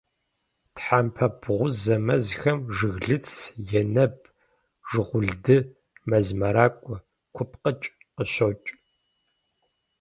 Тхьэмпэ бгъузэ мэзхэм жыглыц, енэб, шыгъулды, мэз мэракӀуэ, купкъыкӀ къыщокӀ.